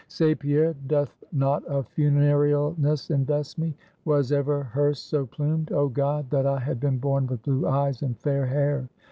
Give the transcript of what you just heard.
"Say, Pierre; doth not a funerealness invest me? Was ever hearse so plumed? Oh, God! that I had been born with blue eyes, and fair hair!